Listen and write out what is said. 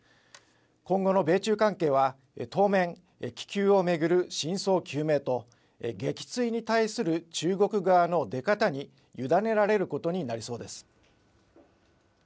今後の米中関係は、当面、気球を巡る真相究明と、撃墜に対する中国側の出方に委ねられることになりそうです。